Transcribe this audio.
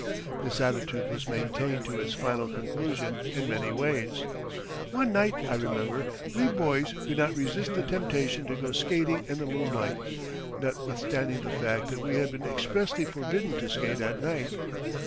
This attitude was maintained to its final conclusion in many ways. One night, I remember, we boys could not resist the temptation to go skating in the moonlight, notwithstanding the fact that we had been expressly forbidden to skate at night.